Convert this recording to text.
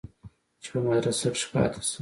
چې په مدرسه کښې پاته سم.